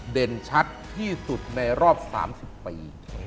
เด่นชัดที่สุดในรอบ๓๐ปี